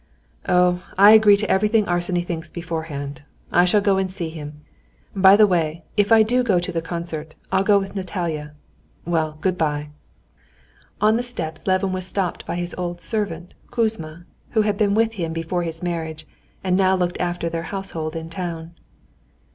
"Oh, I agree to everything Arseny thinks beforehand. I'll go and see him. By the way, if I do go to the concert, I'll go with Natalia. Well, good bye." On the steps Levin was stopped by his old servant Kouzma, who had been with him before his marriage, and now looked after their household in town.